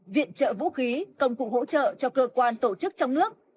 viện trợ vũ khí công cụ hỗ trợ cho cơ quan tổ chức trong nước